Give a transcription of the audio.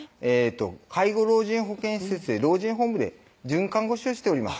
介護老人保健施設で老人ホームで准看護師をしております